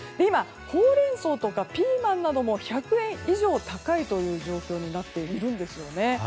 ほうれん草とかピーマンなども１００円以上高いという状況になっているんですよね。